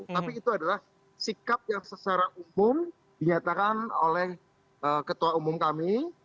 tapi itu adalah sikap yang secara umum dinyatakan oleh ketua umum kami